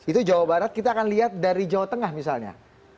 itu jawa barat kita akan lihat dari jawa tengah misalnya